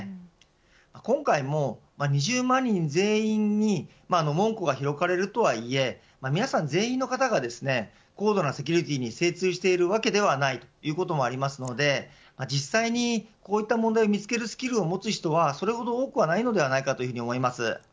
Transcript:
今回も２０万人全員に門戸が開かれるとはいえ全員の方が高度なセキュリティーに精通しているわけではないということもありますので実際にこういった問題を見つけるスキルを持つ人はそれほど多くはないのではないかというふうに思います。